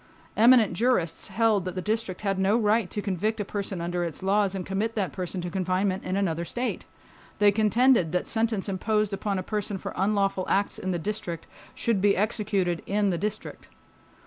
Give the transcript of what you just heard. Eminent jurists held that the District had no right to convict a person under its laws and commit that person to confinement in another state. They contended that sentence imposed upon a person for unlawful acts in the District should be executed in the District.